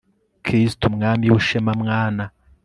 kristu mwami w'ishema, mwana